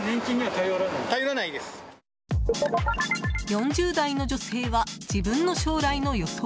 ４０代の女性は、自分の将来の予想